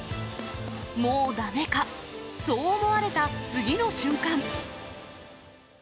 もうだめか、そう思われた次の瞬間。